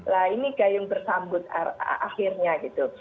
nah ini gayung bersambut akhirnya gitu